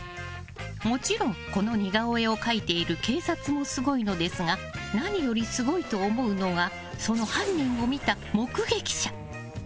もちろん、この似顔絵を描いている警察もすごいのですが何よりすごいと思うのがその犯人を見た目撃者。